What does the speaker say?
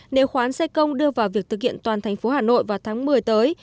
nếu khoán xe công đưa vào việc thực hiện toàn thành phố hà nội vào tháng một mươi tới